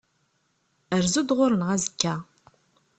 Rzu-d ɣur-neɣ azekka.